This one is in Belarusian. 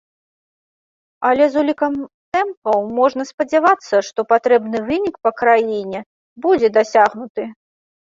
Але з улікам тэмпаў можна спадзявацца, што патрэбны вынік па краіне будзе дасягнуты.